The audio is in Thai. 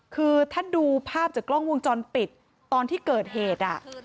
คือถ้าดูภาพจากกล้องวงจรปิดตอนที่เกิดเหตุ